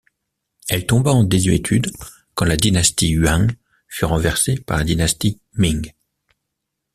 Elle tomba en désuétude quand la dynastie Yuan fut renversée par la dynastie Ming.